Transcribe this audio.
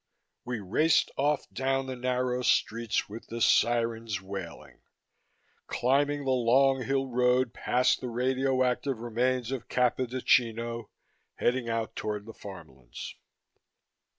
We raced off down the narrow streets with the sirens wailing, climbing the long hill road past the radioactive remains of Capodichino, heading out toward the farmlands.